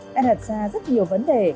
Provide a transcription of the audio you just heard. đã đặt ra rất nhiều vấn đề